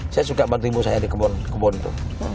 saya suka bantu ibu saya di kebun kebun itu